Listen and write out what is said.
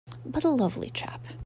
But a lovely chap!